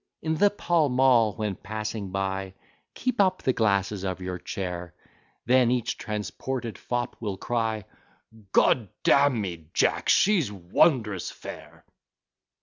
In the Pall Mall when passing by, Keep up the glasses of your chair, Then each transported fop will cry, "G d d n me, Jack, she's wondrous fair!"